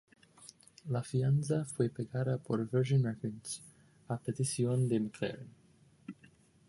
La fianza fue pagada por Virgin Records a petición de McLaren.